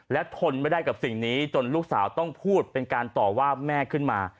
และทนไม่ได้กับสิ่งนี้จนลูกสาวต้องพูดเป็นการต่อว่าแม่ขึ้นมา